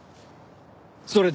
それで？